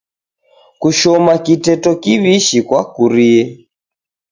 Kushoma kiteto kiwishi kwakurie.